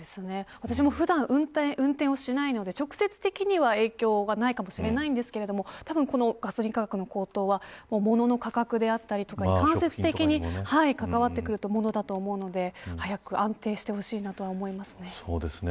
私も普段運転をしないので直接的に影響はないかもしれませんがたぶんこのガソリン価格の高騰はモノの価格や間接的に関わってくるものだと思うので早く安定してほしいなと思いますね。